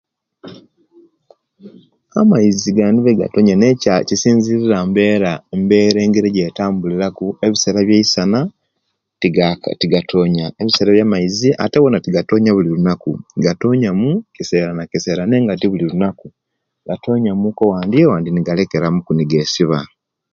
Amaizi gandibaile gatoonya naye kisinzirira embeera embeera engeri ejetabuliraku ebiseera bye'isana tigatoonya ebiseera bya'maizi ate wona tegatoonya buli lunnaku gatoonya mu kiseera na kiseera nenga tibuli lunnaku gatoonyamuku owandi owandi negalekeramuku negesiba